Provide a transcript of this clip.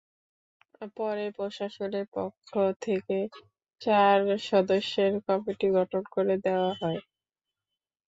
পরে প্রশাসনের পক্ষ থেকে চার সদস্যের কমিটি গঠন করে দেওয়া হয়।